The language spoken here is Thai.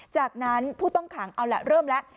จากนั้นผู้ต้องขังเอาแหละเริ่มแล้ว